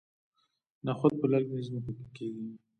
نخود په للمي ځمکو کې کیږي.